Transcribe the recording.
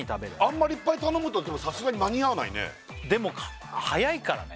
あんまりいっぱい頼むとでもさすがに間に合わないねでも速いからね